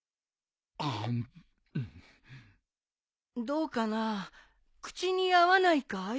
どうかな口に合わないかい？